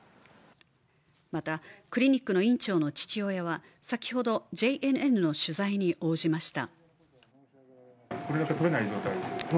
また、クリニックの院長の父親は先ほど、ＪＮＮの取材に応じました。